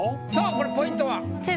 さあこれポイントは？